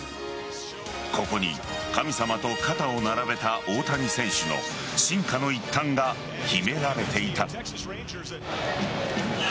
ここに神様と肩を並べた大谷選手の進化の一端が秘められていた。